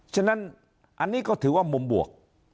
ฉะนั้นอันนี้ก็ถือว่ามุมบวก